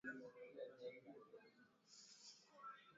jinsi ya kutumia ya Viazi lishe kuwa bidhaa mbalimbali